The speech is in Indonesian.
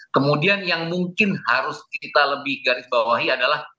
kemudian yang mungkin harus kita lebih garis bawahi adalah